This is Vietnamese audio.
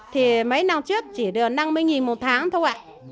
thì mấy năm trước chỉ được năm mươi một tháng thôi ạ